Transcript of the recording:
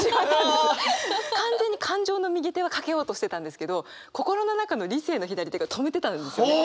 完全に感情の右手はかけようとしてたんですけど心の中の理性の左手が止めてたんですよね。